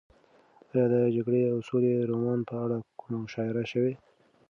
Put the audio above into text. ایا د جګړې او سولې رومان په اړه کومه مشاعره شوې؟